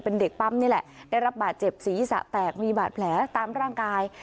เป็นเด็กปั๊มนี่แหละได้รับบาดเจ็บศีรษะแตกมีบาดแผลตามร่างกาย